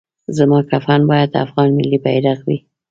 زما کفن باید افغان ملي بیرغ وي